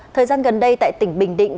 thời gian gần đây tại tỉnh bình định